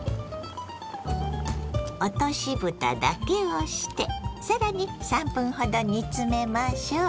落としぶただけをして更に３分ほど煮詰めましょう。